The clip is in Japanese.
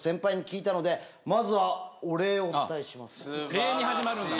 礼に始まるんだ。